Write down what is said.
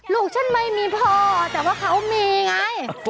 ลูกฉันไม่มีพ่อแต่ว่าเขามีไง